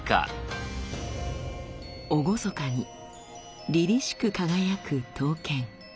厳かにりりしく輝く刀剣。